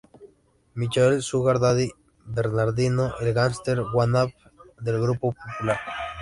Michael 'Sugar Daddy' Bernardino: El gangster wannabe del grupo popular.